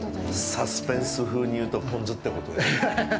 サスペンス風に言うとポン酢ってことですね。